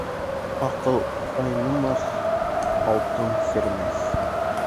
Аҡыл айнымаҫ, алтын серемәҫ.